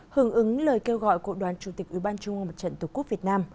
hưởng ứng lời kêu gọi của đoàn chủ tịch ủy ban trung ương mặt trận tổ quốc việt nam